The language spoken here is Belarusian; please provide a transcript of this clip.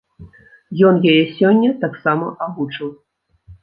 Ён яе сёння таксама агучыў.